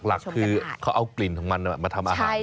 หลักคือเขาเอากลิ่นของมันมาทำอาหาร